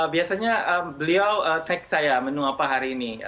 biasanya beliau take saya menu apa hari ini